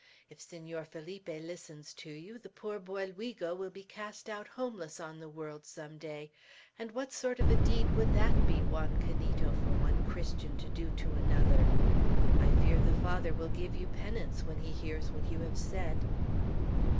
If Senor Felipe listens to you, the poor boy Luigo will be cast out homeless on the world some day; and what sort of a deed would that be, Juan Canito, for one Christian to do to another? I fear the Father will give you penance, when he hears what you have said."